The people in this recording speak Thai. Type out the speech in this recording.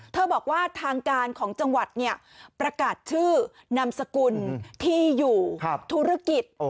บอกว่าทางการของจังหวัดเนี่ยประกาศชื่อนามสกุลที่อยู่ธุรกิจ